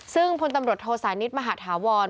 ซึ่งพลตำรวจโทสานิทมหาธาวร